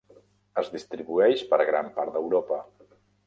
Es distribueix per gran part d'Europa.